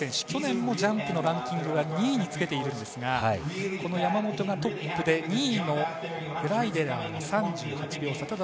去年もジャンプのランキングは２位につけているんですが山本がトップで２位のグライデラーが３８秒差。